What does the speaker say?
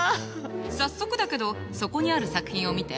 早速だけどそこにある作品を見て。